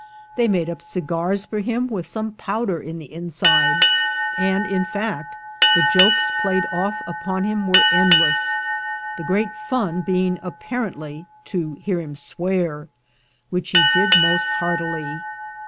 They made up cigars for him with some powder in the inside; and in fact the jokes played off upon him were endless, the great fun being, apparently, to hear him swear, which he did most heartily.